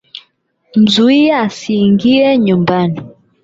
Mzuie asingie nyumbani.